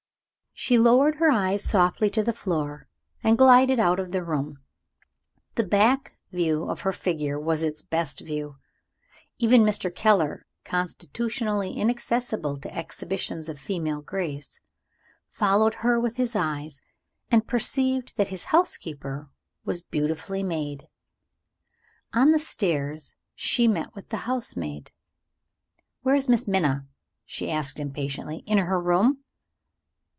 She lowered her eyes softly to the floor, and glided out of the room. The back view of her figure was its best view. Even Mr. Keller constitutionally inaccessible to exhibitions of female grace followed her with his eyes, and perceived that his housekeeper was beautifully made. On the stairs she met with the housemaid. "Where is Miss Minna?" she asked impatiently. "In her room?"